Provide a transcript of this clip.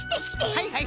はいはい。